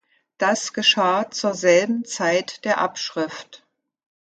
Das geschah zur selben Zeit der Abschrift.